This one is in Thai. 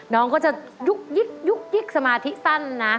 น้องก็จะยุ๊กสมาธิสั้นนะ